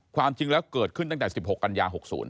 ความจริงแล้วเกิดขึ้นตั้งแต่๑๖กันยา๖๐